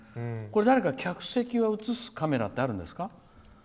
誰か、客席は映すカメラってあるんですか。